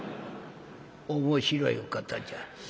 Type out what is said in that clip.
「面白いお方じゃ。